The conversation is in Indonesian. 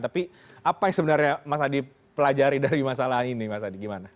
tapi apa yang sebenarnya mas adi pelajari dari masalah ini mas adi gimana